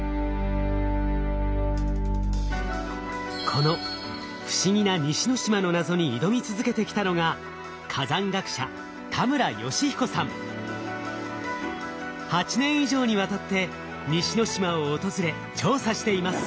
この不思議な西之島の謎に挑み続けてきたのが８年以上にわたって西之島を訪れ調査しています。